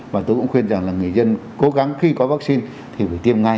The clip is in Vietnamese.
và tôi cũng khuyên rằng là người dân cố gắng khi có vaccine